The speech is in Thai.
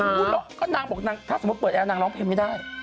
อุ๊ยร้อนก็ถ้าสมมุติเปิดแอร์นางจะไปไปไม่ได้